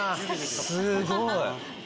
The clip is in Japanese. すごい！